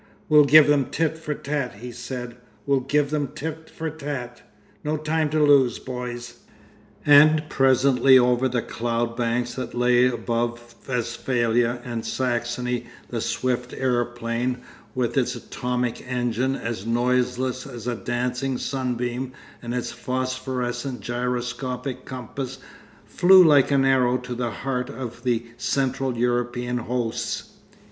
'We'll give them tit for tat,' he said. 'We'll give them tit for tat. No time to lose, boys....' And presently over the cloud banks that lay above Westphalia and Saxony the swift aeroplane, with its atomic engine as noiseless as a dancing sunbeam and its phosphorescent gyroscopic compass, flew like an arrow to the heart of the Central European hosts.